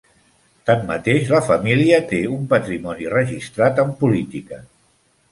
Tanmateix, la família té un patrimoni registrat en política.